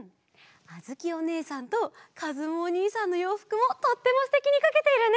あづきおねえさんとかずむおにいさんのようふくもとってもすてきにかけているね！